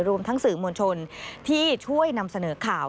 รวมทั้งสื่อมวลชนที่ช่วยนำเสนอข่าว